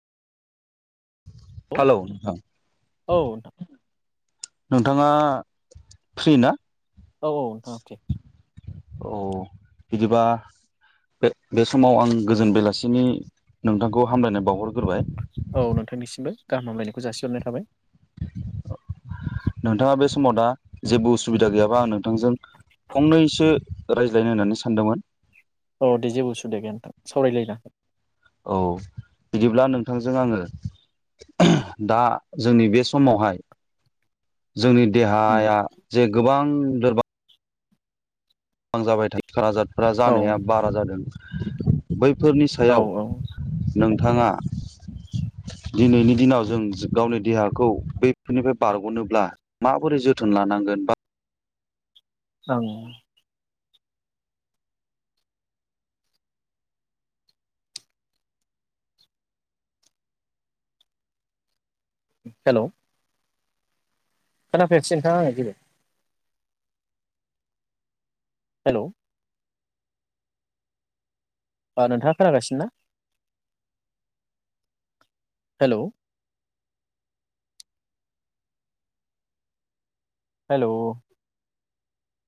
औ हेलौ नोंथां। औ नोंथां नोंथाङा फ्रि ना? औ औ नोंथाङा थिग औ बिदिबा बे बे समाव आं गोजोन बेलासिनि नोंथांखौ हामलायनाय बावहरग्रोबाय। औ नोंथांनिसिमबो गाहाम हामलायनायखौ जासिहरनाय थाबाय नोंथाङा बे समाव दा जेबो उसुबिदा गैयाबा आं नोंथांजों फंनैसो रायज्लायनो होननानै सानदोंमोन औ दे जेबो उसुबिदा गैया नोंथां सावरायलायनो हागोन औ बिदिब्ला नोंथांजों आङो दा जोंनि बे समावहाय जोंनि हागोन देहाया जे गोबां लोरबां बां जाबाय थायो खारा जा फ्रा जानाया बारा जादों। बै फोरनि औ सायाव औ नों थाङा दिनैनि दिनाव जों गावनि देहाखौ बेफोरनिफ्राय बारग'नोब्ला माबोरै जोथोन लानांगोन बा ओं हेलौ खोनाफैयाखिसै नोंथां आङो जेबो हेलौ अ नोंथाङा खोनागासिनो ना? Hello hello